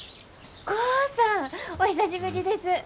豪さんお久しぶりです。